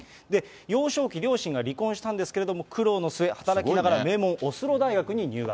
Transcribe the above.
幼少期、両親が離婚したんですけど、苦労の末、働きながら名門、オスロ大学に入学。